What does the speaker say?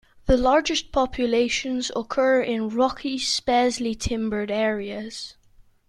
The largest populations occur in rocky, sparsely timbered areas.